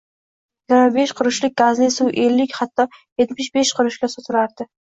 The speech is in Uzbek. yigirma besh qurushlik gazli suv ellik, hatto yetmish besh qurushga sotiladi.